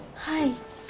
はい。